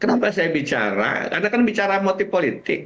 kenapa saya bicara karena kan bicara motif politik